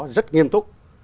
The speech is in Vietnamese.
rất nghiêm túc